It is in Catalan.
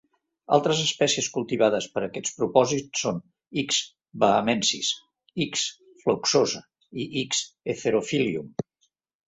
Altres espècies cultivades per a aquests propòsits són "X. bahamensis", "X. flexuosa", i "X. heterophyllum".